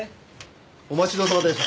お待ちどおさまでした。